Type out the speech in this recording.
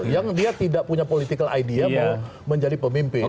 yang dia tidak punya political idea mau menjadi pemimpin